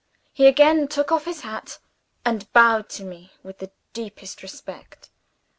He again took off his hat, and bowed to me with the deepest respect.